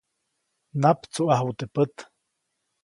Naptsuʼaju teʼ pät.